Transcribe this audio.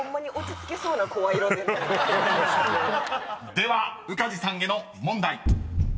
［では宇梶さんへの問題］